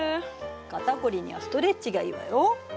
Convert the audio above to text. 肩こりにはストレッチがいいわよ。